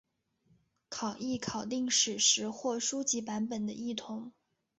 考异考订史实或书籍版本的异同。